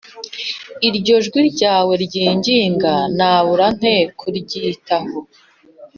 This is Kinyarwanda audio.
Iryo jwi ryawe ryinginga nabura nte kuryiho